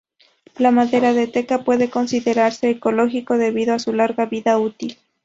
La madera de teca puede considerarse ecológico debido a su larga vida útil.